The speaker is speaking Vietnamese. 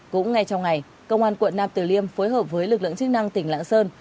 cũng ngay trong ngày công an quận nam tử liêm phối hợp với lực lượng chức năng tỉnh lạng sơn